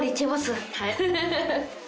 はい。